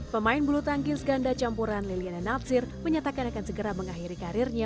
pemain bulu tangkis ganda campuran liliana nafsir menyatakan akan segera mengakhiri karirnya